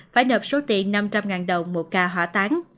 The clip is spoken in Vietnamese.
phải nợp số tiền năm trăm linh đồng một ca hỏa tán